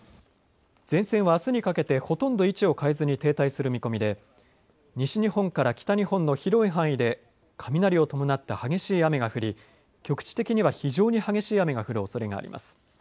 前線はあすにかけてほとんど位置を変えずに停滞する見込みで西日本から北日本の広い範囲で雷を伴った激しい雨が降り局地的には非常に激しい雨が降るおそれがあります。